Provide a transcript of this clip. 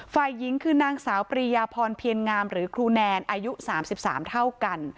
ฝ่ายหญิงคือนางสาวปรียาพรเพียรงามหรือครูแนนอายุ๓๓เท่ากัน